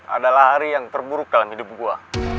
adalah hari yang terburuk dalam hidup gua